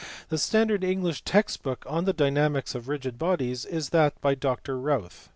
The standard English text book on the dynamics of rigid bodies is that by Dr Routh.